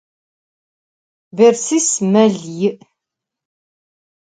Bersis mel yi'.